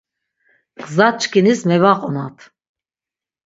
Gzaçkinis mevaqonat.